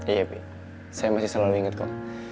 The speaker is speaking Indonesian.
iya bibi saya masih selalu inget kok